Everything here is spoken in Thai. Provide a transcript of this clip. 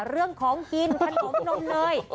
เรื่องของกินขนมนมเนย